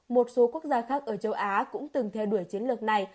một số quốc gia khác ở châu á cũng từng theo đuổi chiến lược này